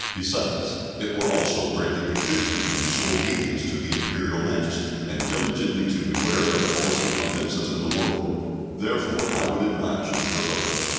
Besides, it were also greatly befitting you to show obedience to the Imperial Majesty, and diligently to beware of causing offences in the world; therefore I would advise you to revoke."